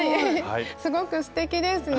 すごくすてきですね。